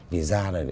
vì ra rồi